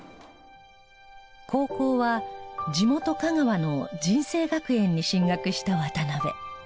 高校は地元香川の尽誠学園に進学した渡邊。